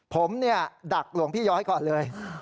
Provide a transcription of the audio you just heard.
ผมเนี่ยดักหลวงพี่ย้อยก่อนเลย